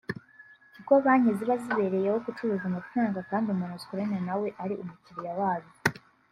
kuko banki ziba zibereyeho gucuruza amafaranga kandi umuntu zikorana na we ari umukiriya wazo